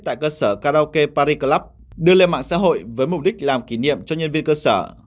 tại cơ sở karaoke paris club đưa lên mạng xã hội với mục đích làm kỷ niệm cho nhân viên cơ sở